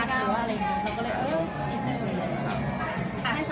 เราก็เลยเอออีกนิดหนึ่งเลยครับ